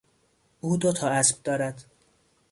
او دو تا اسب دارد.